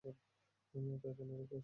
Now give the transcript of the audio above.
ওটা ওখানেই রেখে আসো!